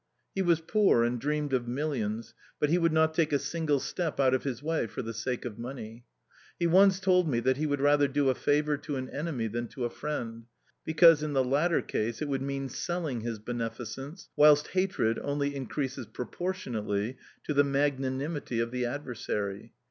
He was poor, and dreamed of millions, but he would not take a single step out of his way for the sake of money. He once told me that he would rather do a favour to an enemy than to a friend, because, in the latter case, it would mean selling his beneficence, whilst hatred only increases proportionately to the magnanimity of the adversary.